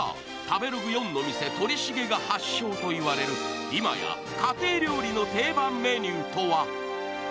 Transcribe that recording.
食べログ４の店鳥茂が発祥といわれる今や家庭料理の定番メニューとは？